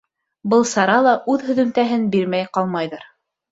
Был сара ла үҙ һөҙөмтәһен бирмәй ҡалмайҙыр.